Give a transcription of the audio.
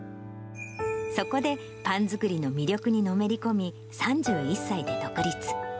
そこでパン作りの魅力にのめり込み、３１歳で独立。